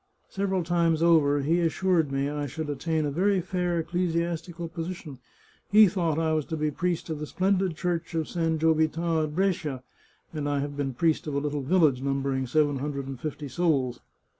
Several times over he assured me I should attain a very fair ecclesiastical position; he thought I was to be priest of the splendid Church of San Giovita at Brescia, and I have been priest of a little village numbering seven hundred and fifty souls.